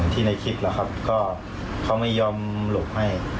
ที่ในคลิปแล้วครับก็เขาไม่ยอมหลบให้